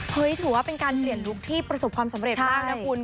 ถือว่าเป็นการเปลี่ยนลุคที่ประสบความสำเร็จมากนะคุณ